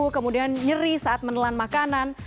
kemudian nyeri saat menelan makanan